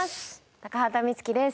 高畑充希です。